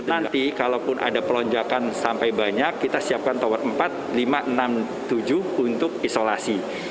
nanti kalaupun ada pelonjakan sampai banyak kita siapkan tower empat lima enam tujuh untuk isolasi